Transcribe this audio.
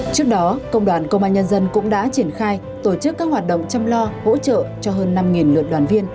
trước đó công đoàn công an nhân dân cũng đã triển khai tổ chức các hoạt động chăm lo hỗ trợ cho hơn năm lượt đoàn viên